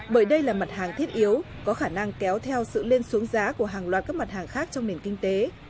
bởi đây là mặt hàng thiết yếu có khả năng kéo theo sự lên xuống giá của hàng loạt các mặt hàng khác trong nền kinh tế